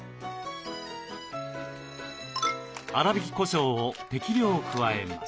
粗びきこしょうを適量加えます。